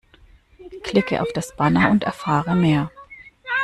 Klicke auf das Banner und erfahre mehr!